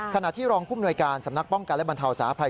ขณะที่รองภูมิหน่วยการสำนักป้องกันและบรรเทาสาภัย